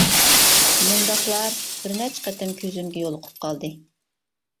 مۇنداقلار بىر نەچچە قېتىم كۆزۈمگە يولۇقۇپ قالدى.